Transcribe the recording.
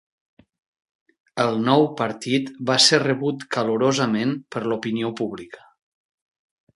El nou partit va ser rebut calorosament per l'opinió pública.